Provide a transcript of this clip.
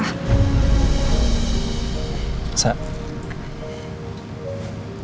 terus katanya apa